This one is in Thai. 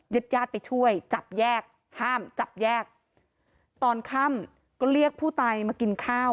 ญาติญาติไปช่วยจับแยกห้ามจับแยกตอนค่ำก็เรียกผู้ตายมากินข้าว